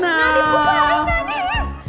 nadi bukanya nadi